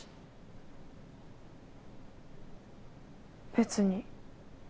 別に。